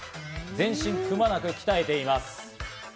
全身くまなく鍛えています。